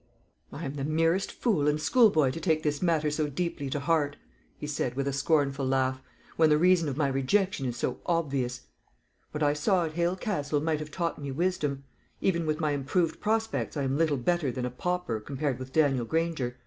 "I am the merest fool and schoolboy to take this matter so deeply to heart," he said, with a scornful laugh, "when the reason of my rejection is so obvious. What I saw at Hale Castle might have taught me wisdom. Even with my improved prospects I am little better than a pauper compared with Daniel Granger.